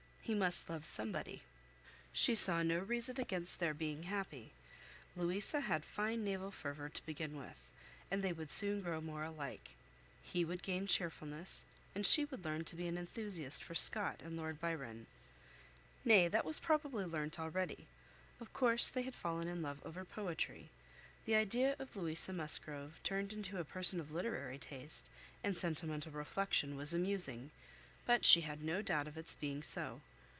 He must love somebody. She saw no reason against their being happy. Louisa had fine naval fervour to begin with, and they would soon grow more alike. He would gain cheerfulness, and she would learn to be an enthusiast for Scott and Lord Byron; nay, that was probably learnt already; of course they had fallen in love over poetry. The idea of Louisa Musgrove turned into a person of literary taste, and sentimental reflection was amusing, but she had no doubt of its being so.